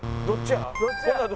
どっちや？